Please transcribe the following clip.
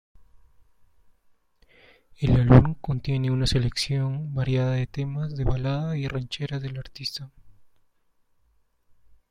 El álbum contiene una selección variada de temas de balada y ranchera del artista.